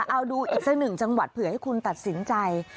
เอาดูอีกสักหนึ่งจังหวัดเผื่อให้คุณตัดสินใจ